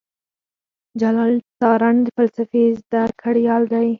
جلال تارڼ د فلسفې زده کړيال دی.